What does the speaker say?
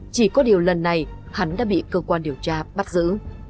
chỉ có điều lần này hắn đã bị cơ quan điều tra bắt giữ